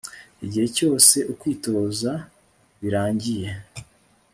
igihe cyose ukwitoza birangiye